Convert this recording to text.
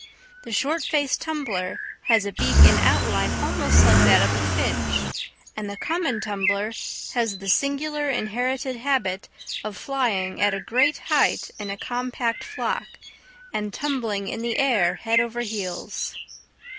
The short faced tumbler has a beak in outline almost like that of a finch; and the common tumbler has the singular inherited habit of flying at a great height in a compact flock, and tumbling in the air head over heels.